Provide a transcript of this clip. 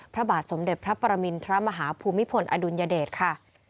พระบาทสมเด็จพระปรมินทรมาฮภูมิพลอดุลยเดชค่ะ